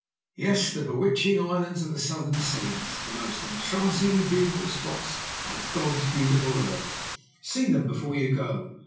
"'Yes; the bewitching islands of the Southern Seas! The most entrancingly beautiful spots on God's beautiful earth! See them before you go.